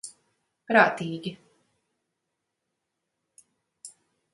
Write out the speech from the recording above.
Prātīgi.